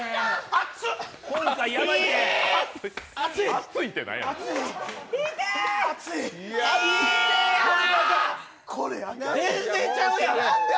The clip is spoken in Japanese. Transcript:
熱いって何やねん。